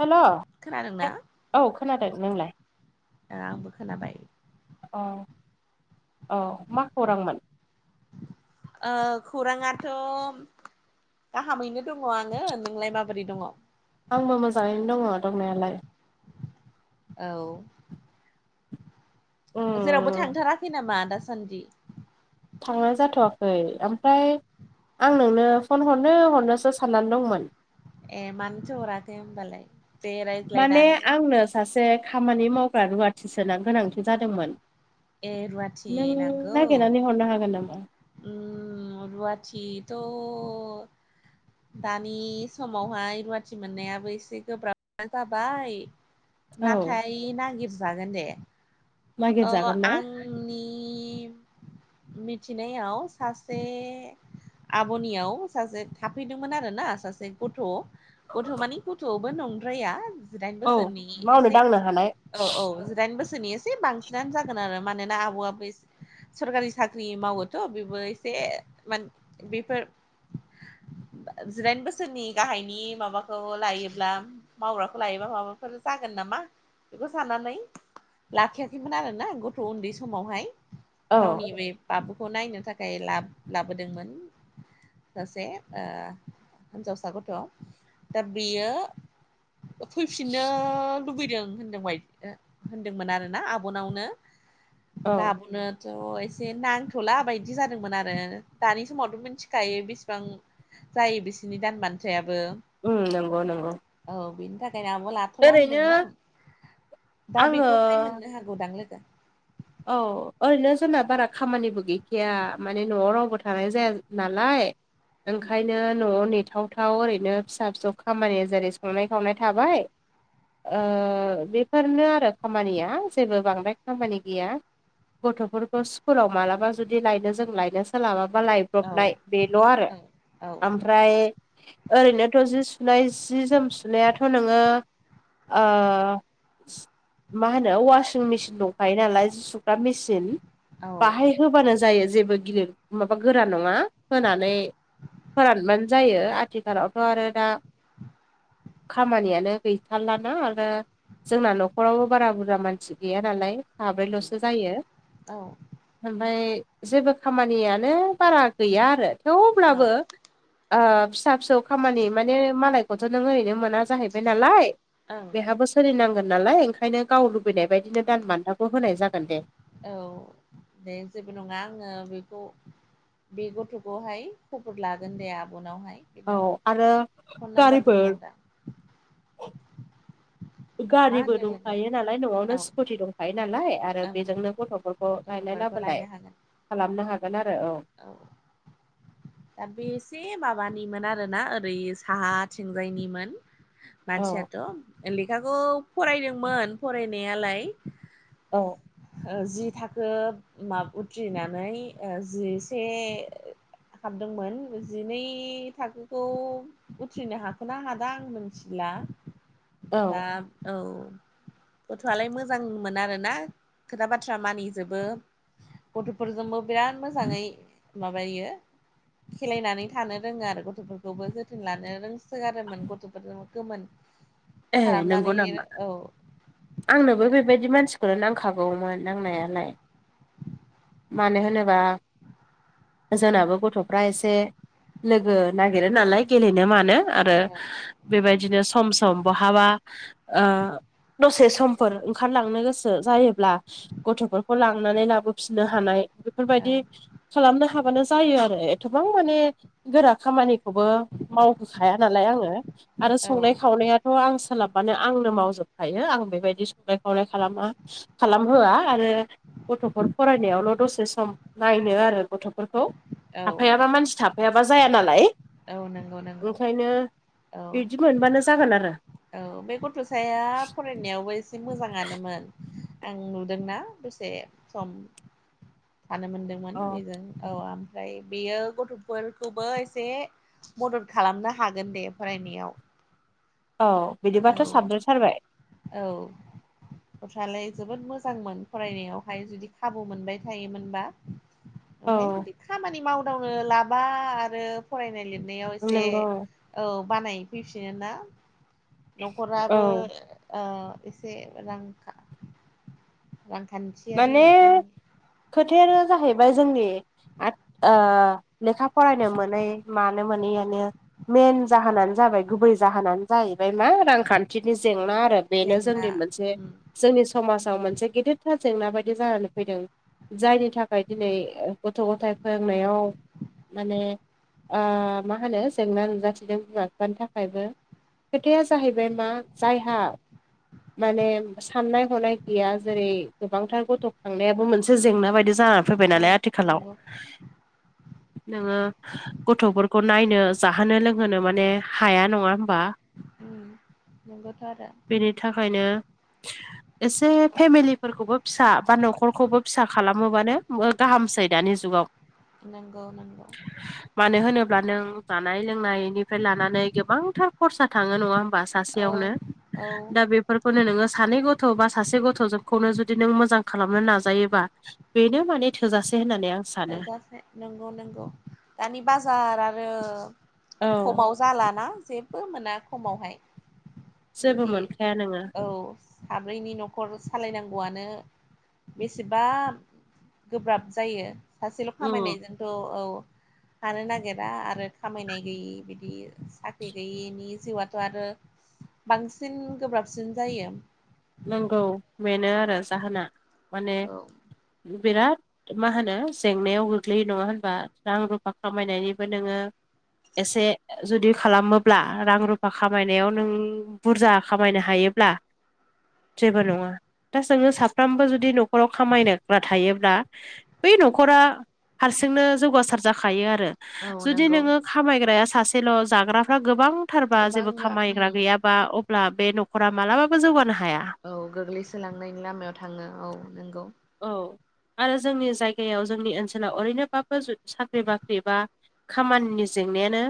हेल' खोनादों ना? औ खोनादों नोंलाय दा आंबो खोनाबाय। औ औ मा खौरांमोन? खौराङाथ' गाहामैनो दङ आङो नोंलाय माबोरै दङ आंबो मोजाङैनो दङ दंनायालाय औ जेरावबो उम थांथाराखै नामा दासान्दि थांनाय जाथ'वाखै ओमफ्राय आं नोंनो फन हरनो हरनोसो साननानै दंमोन ए मानोथो हराखै होनोमबालाय दे रायज्लाय माने दानोबो आंनो सासे खामानि मावग्रा रुवाथिसो होन गोनांथि जादोंमोन ए रुवाथि नों नांगौ नागिरनानै हरनो हागोन नामा रुवाथिथ' दानि समावहाय रुवाथि मोननायाबो एसे गोब्राब जाबाय [inaudible] नाथाय नागिरस्रागोन दे नागिर ओ जागोनना आंनि मिथिनायाव सासे आब'नियाव सासे थाफैदोंमोन आरोना सासे गथ' गथ' माने गथ'बो नंद्राया जिदाइन औ बोसोरनि मावनो एसे दांनो हानाय औ-औ जिदाइन बोसोरनि एसे बांसिनानो जागोन जागोन आरो मानोना आबौआबो सरखारि साख्रि मावोथ' बेबो एसे मा बेफोर जिदाइन बोसोरनि गाहायनि माबाखौ लायोब्ला मावग्राखौ लायोबा माबाफोर जागोन नामा बेखौ साननानै लाखियाखैमोन आरोना गथ' उन्दै समावहाय औ गावनि बे बाबुखौ नायनो थाखाय ला लाबोदोंमोन सासे हिनजावसा गथ' दा बियो फैफिननो लुबैदों होनदों ब होनदोंमोन आरोना आबनावनो औ बाबुनो थ एसे नांथला बायदि जादोंमोन आरो दानि समावथ मिथिखायो बेसेबां जायो बिसिनि दान बान्थायाबो उम नंगौ नंगौ औ बेनि थाखायनो आंबो लाथला ओरैनो होनदोंमोन दा बेखौहाय आङो मोननो हागोन गोबां लोगो औ ओरैनो जोंना बारा खामानिबो गैखाया माने न'आव रावबो थानाय जाया नालाय ओंखायनो न'आव नेथावथाव ओरैनो फिसा फिसौ खामानि जेरै संनाय खावनाय थाबाय बेफोरनो आरो खामानिया जेबो बांद्राय खामानि गैया गथ'फोरखौ स्कुलाव मालाबा जुदि लायनो जों लायनो सोलाबाबा लाइ औ ब्रबनाय बेल आरो औ ओमफ्राय ओरैनोथ जि सुनाय जि जोम सुनायाथ नोङो मा होनो वासिं मेसिन दं खायो नालाय सुग्रा मेसिन औ बाहाय होबानो जायो जेबो गिदिर माबा गोरा नङा होनानै फोरान जायो आथिखालावथ आरो दा खामानियानो गैथारलाना आरो जोंना न'खरावबो बारा बुरजा मानसि गैया नालाय साब्रैलसो जायो औ ओमफ्राय जेबो खामानियानो बारा गैया आरो औ थेवब्लाबो फिसा फिसौ खामानि माने मालायखौथ नों ओरैनो मोना जाहैबाय नालाय ओं बेहाबो सोलिनांगोन नालाय ओंखायनो गाव लुगैनाय बायदि दान बान्थाखौ खौ होनाय जागोन दे औ दे जेबो नङा आङो बेखौ बे गथ'खौहाय खबर लागोन दे आबनावहाय। औ बिनाव आरो फन नाम्बारबो गारिफोर दं दा। मा गारिबो होनदों लोगो दंखायो नालाय न'आवनो औ स्कुटि दंखायो नालाय। आरो ओं बेजोंनो गथ'फोरखौ रायलाय गथ'फोरखौ लाबोलाय लायनो हागोन खालामनो हागोन आरो औ। औ। दा बे एसे माबानिमोन आरोना ओरै साहाथिंजायनिमोन। औ मानसियाथ' लेखाखौ फरायदोंमोन फरायनायालाय। औ। जि थाखो माब उथ्रिनानै जिसे हाबदोंमोन जिनै थाखोखौ उथ्रिनो हाखो ना हादा आं मिथिला। औ दा औ गथ'आलाय मोजांमोन आरोना। खोथा बाथ्रा मानिजोबो गथ'फोरजोंबो बिराद मोजाङै माबायो खेलायनानै थानो रोङो आरो गथ'फोरखौबो जोथोन लानो रोंसोगारोमोन गथ'फोर गोमोन। ए नंगौ खालामनानै नामा? औ आंनोबो बेबायदि मानसि फोर नांखागौमोन नांनायालाय मानो होनोबा जोंनाबो गथ'फ्रा एसे लोगो नागिरो नालाय गेलेनो मानो आरो ओं बेबायदिनो सम सम बहाबा ओ दसे समफोर ओंखारलांनो गोसो जायोब्ला गथ'फोरखौ लांनानै लाबो फिसिनो हानाय बेफोरबायदि खालामनो हाबानो जायो आरो एथबां माने गोरा खामानि खौबो मावहोखाया नालाय आङो आरो औ संनाय खावनाया थ' आं सोलाबानो आंनो मावजोबखायो आं बेबायदि संनाय सराय खालामा खालामहोआ आरो गथ'फोर फरायनायावल' दसे सम नायनो आरो गथ' बेफोरखौ औ थाफायाबा मानसि थाफायाबा जाया नालाय। औ नंगौ नंगौ ओंखायनो औ बिदि मोनबानो जागोन आरो। औ बे गथ'साया फरायनायावबो एसे मोजाङानोमोन। आं नुदोंना दसे सम थानो औ मोनदोंमोन बेजों औ ओमफ्राय बेयो गथ'फोरखौबो एसे मदद खालामनो हागोन दे फरायनायाव। औ औ बिदिबाथ' साबदेरथारबाय। औ। गथ्रालाय जोबोद मोजांमोन फरायनायावहाय जुदि खाबु मोनबाय थायोमोनबा औ बेहाय जुदि खामानि मावदांनो लाबा आरो फरायनाय लिरनायाव एसे नंगौ औ बानायफैफिन ना। औ न'खराबो एसे रां रांखान्थियारि माने एबा खोथायानो जाहैबाय जोंनि आरो लेखा फरायनो मोनै मानो मोनैआनो मेेन जाहोनानो जाबाय गुबै जाहोनानो जाहैबाय मा रांखान्थिनि जेंना आरो। बेनो जेंना जोंनि मोनसे उम जोंनि समाजाव मोनसे गिदिरथार जेंना बायदि जानानै फैदों। जायनि थाखाय दिनै गथ' गथाय फोरोंनायाव माने मा होनो जेंना नुजाथिदों बिमा बिफानि थाखायबो खोथाया जाहैबाय मा जायहा माने साननाय हनाय गैया जेरै- गोबांथार गथ' खांनायाबो मोनसे जेंना बायदि जानानै फैबाय औ नालाय आथिखालाव। नंगौ नोङो गथ'फोरखौ नायनो जाहोनो लोंहोनो माने हाया नङा होमबा? उम नंगौथ' आरो। बेनि थाखायनो एसे फेमिलिफोरखौबो फिसा बा न'खरखौबो फिसा खालामोबानो गाहामसै दानि जुगाव। नंगौ नंगौ मानो होनोब्ला नों जानाय लोंनायनिफ्राय लानानै गोबांथार खरसा थाङो नङा होमबा औ सासेयावनो औ दा बेफोरखौनो नोङो सानै गथ' बा सासे गथ'खौनो जुदि नों मोजां खालामनो नाजायोबा बेनो माने थोजासे होननानै आं सानो [unintelligible] नंगौ नंगौ दानि बाजार आरो औ खमाव जालाना जेबो मोना खमावहाय जेबो बिदि मोनखाया नोङो औ साब्रैनि न'खर सालायनांगौआनो बेसेबा गोब्राब जायो सासेल' उम खामायनायजोंथ' औ थानो नागिरा आरो खामायनाय गैयि बिदि साख्रि गैयिनि जिउआथ' आरो बांसिन गोब्राबसिन जायो नांगौ बेनो आरो जाहोना माने औ बिराद मा होनो जेंनायाव गोग्लैयो नङा होनबा रां रुफा खामायनायनिबो नोङो एसे जुदि खालामोब्ला रां रुफा खामायनायाव नों बुरजा खामायनो हायोब्ला जेबो नङा दा जोङो साफ्रोमबो जुदि न'खराव खामायनग्रा थायोब्ला बै न'खरा हारसिंनो जौगासार जाखायो आरो औ जुदि नंगौ नोङो खामायग्राया सासेल' जाग्राफ्रा गोबांथारबा जेबो उम खामायग्रा गैयाब बा अब्ला बे न'खरा मालाबाबो जौगानो हाया औ गोग्लैसोलांनायनि लामायाव थाङो औ नोंगौ औ आरो जोंनि जायगायाव जोंनि ओनसोलाव ओरैनोबाबो साख्रि बाख्रि बा खामानिनि जेंनायानो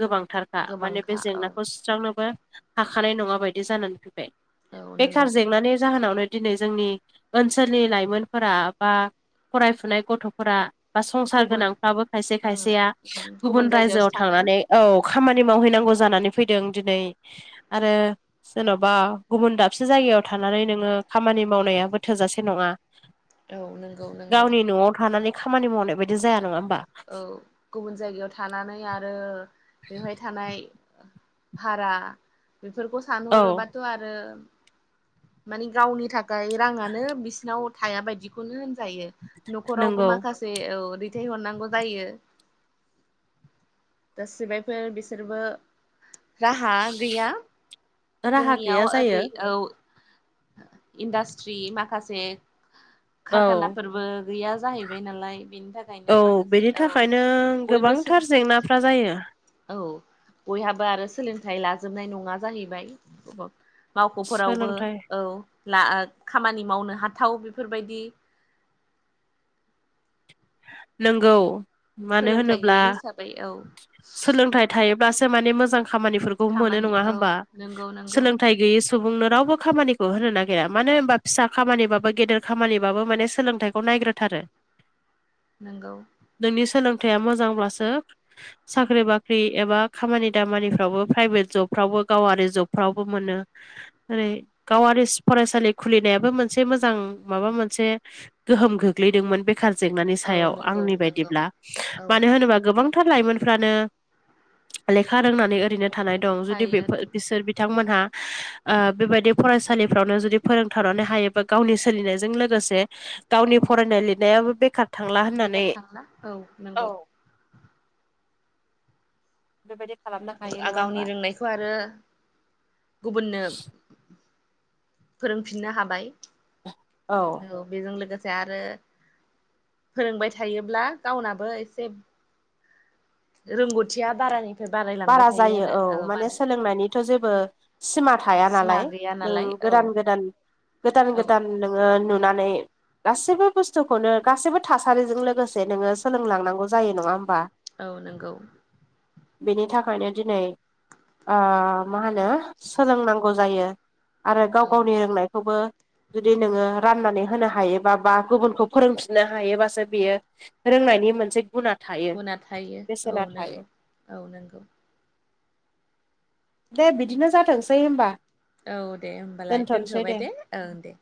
गोबांथारखा माने बे गोबांखा औ जेंनाखौ सु सुस्रांनोबो हाखानाय नङा बायदि जानानै फैबाय औ नंगौ बेखार जेंनानि जाहोनावनो दिनै जोंनि ओनसोलनि लाइमोनफोरा बा फरायफुनाय गथ'फोरा बा संसार गुबुन गोनांफ्राबो खायसे उम खायसेया उम गुबुन जायगायावसो रायजोआव थाङो थांनानै औ खामानि मावहैनांगौ जानानै फैदों दिनै आरो जेन'बा गुबुन दाबसे जायगायाव थानानै नोङो खामानि मावनायाबो थोजासे नङा औ नंगौ नंगौ गावनि न'आव थानानै खामानि मावनाय बायदि बिदि जाया नङा होमबा औ गुबुन जायगायाव थानानै आरो बेवहाय थानाय भारा बेफोरखौ औ सानहरोबाथ' आरो मानि गावनि थाखाय राङानो बिसिनाव थाया बायदिखौनो होनजायो न'खरावबो नंगौ माखासे औ दैथायहरनांगौ जायो गा सिबायफोर बिसोरबो राहा गैया राहा जोंनियाव गैया ओरै जायो औ इन्डास्ट्रि माखासे औ खारखानाफोरबो गैया जाहैबाय नालाय बेनि थाखाय औ बेनि थाखायनो सो गोबांथार जेंनाफ्रा जायो औ बयहाबो आरो सोलोंथाइ लाजोबनाय नङा जाहैबाय मावख'फोरावबो सोलोंथाइ औ खामानि मावनो हाथाव बेफोरबायदि नोंगौ मानो सोलोंथाइ होनोब्ला गैयि हिसाबै औ सोलोंथाइ थायोब्लासो माने मोजां खामानिफोरखौ मोनो खामानि नङा औ होमबा नंगौ नंगौ सोलोंथाइ गैयि सुबुंनो रावबो खामानिखौ होनो नागिरा मानो होनबा फिसा खामानिबाबो गेदेर खामानिबाबो माने सोलोंथाइ खौ नायग्रोाथारो नोंगौ नोंनि सोलोंथाया मोजांब्लासो साख्रि बाख्रि एबा खामानि दामानिफ्रावबो प्राइभेट जबफ्रावबो गावारि जबफ्रावबो मोनो ओरै गावारि फरायसालि खुलिनायाबो मोनसे मोजां माबा मोनसे गोहोम गोग्लैदोंमोन बे बेखार जेंनानि औ सायाव नंगौ आंनि नंगौ बायदिब्ला औ मानो होनोबा गोबांथार लाइमोनफ्रानो [inaudible] लेखा रोंनानै ओरैनो थानाय दं जुदि थायो बेफोर बिसोर बिथांमोनहा बेबायदि फरायसालिफ्रावनो जुदि फोरोंथारनानै हायोबा गावनि सोलिनायजों लोगोसे गावनि फरायनाय लिरनायाबो बेखार थांला बेगार होननानै थांला औ नंगौ बेबायदि खालामनो हायो नङा गावनि होमबा रोंनायखौ आरो गुबुननो फोरोंफिननो हाबाय औ बेजों लोगोसे आरो फोरोंबाय थायोब्ला गावनाबो एसे रोंगौथिया बारानि बारा जायो औ माने सोलोंनायनिथ' जेबो सिमा था थाया नालाय सिमा गैया नों नालाय औ गोदान गोदान गोदान औ गोदान नोङो नुनानै गासैबो बुस्थुखौनो गासैबो थासारिजों लोगोसे नोङो सोलोंलांनांगौ जायो नङा होमबा औ नंगौ बेनि थाखायनो दिनै मा होनो सोलोंनांगौ जायो। आरो गाव औ गावनि रोंनायखौबो जुदि नोङो राननानै होनो हायोबा बा गुबुनखौ फोरोंफिननो हायोबासो बियो रोंनायनि मोनसे गुना गुना थायो औ बेसेना थायो नंगौ औ नंगौ। दे बिदिनो जाथोंसै होमबा औ दे होमबालाय दोनथ'बाय दे ओं दे